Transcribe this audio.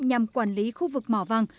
nhằm quản lý khu vực mỏ vàng